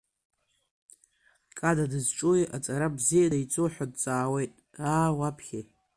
Када дызҿуи, аҵара бзианы иҵо ҳәа дҵаауеит, аа, уаԥхьеи!